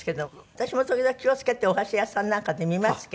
私も時々気を付けてお箸屋さんなんかで見ますけど。